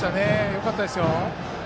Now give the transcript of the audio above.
よかったですよ。